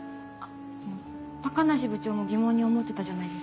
高梨部長も疑問に思ってたじゃないですか。